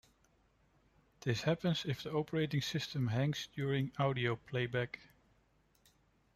This happens if the operating system hangs during audio playback.